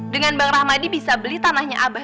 dengan bang rahmadi bisa beli tanahnya abah